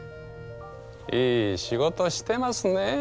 いい仕事してますねえ。